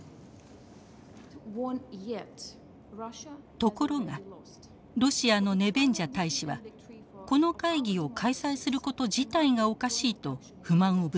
ところがロシアのネベンジャ大使はこの会議を開催すること自体がおかしいと不満をぶつけました。